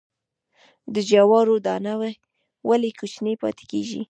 د جوارو دانه ولې کوچنۍ پاتې کیږي؟